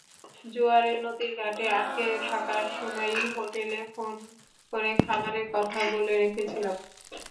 জোয়ারে নদীর ঘাটে আটকে থাকার সময়ই হোটেলে ফোন করে খাবারের কথা বলে রেখেছিলাম।